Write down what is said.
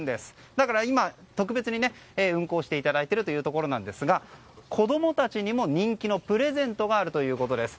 だから今、特別に運航していただいているというところなんですが子供たちにも人気のプレゼントがあるということです。